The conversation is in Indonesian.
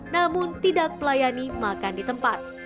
namun tidak pelayani makan di tempat